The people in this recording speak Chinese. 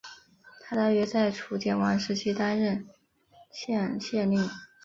他大约在楚简王时期担任圉县县令。